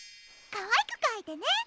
かわいくかいてね。